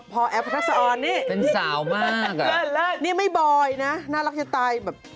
พอแอฟทักษะออนนี่เป็นสาวมากนี่ไม่บอยนะน่ารักจะตายแบบ